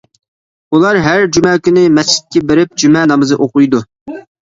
ئۇلار ھەر جۈمە كۈنى مەسچىتكە بېرىپ، جۈمە نامىزى ئوقۇيدۇ.